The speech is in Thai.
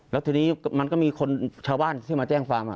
แล้วทีนี้มันก็มีคนชาวบ้านที่มาแจ้งความ